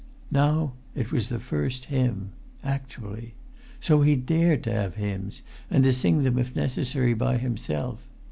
Now it was the first hymn—actually! So he dared to have hymns, and to sing them if necessary by himself!